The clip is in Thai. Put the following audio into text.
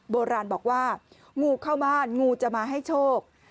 โบราณบอกว่างูเข้าบ้านงูจะมาให้โชค